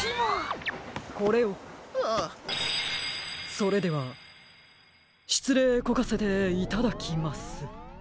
それではしつれいこかせていただきます。